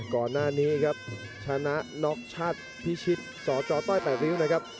ก่อนหน้านี้ครับชนะน็อกชาติพิชิตสจต้อย๘ริ้วนะครับ